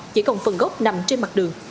chỉ còn phần gốc nằm trên mặt đường